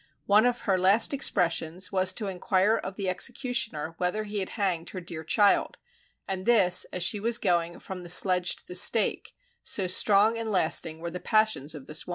One of her last expressions was to enquire of the executioner whether he had hanged her dear child, and this, as she was going from the sledge to the stake, so strong and lasting were the passions of this woman.